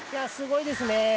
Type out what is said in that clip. すごいですね。